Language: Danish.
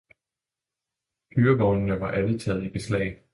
Hyrevognene var alle taget i beslag.